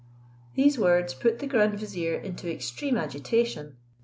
These words put the grand vizier into extreme agitation.